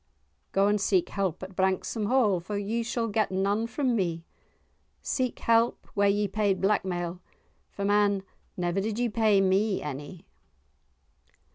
"Go and seek help at Branksome Hall, for ye shall get none from me—seek help where ye paid blackmail, for, man, never did ye pay me any."